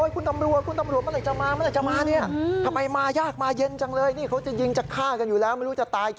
คุณตำรวจคุณตำรวจมันไหล่จะมามันไหล่จะมา